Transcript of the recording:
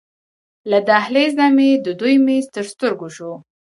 له دهلېز نه مې د دوی میز تر سترګو شو.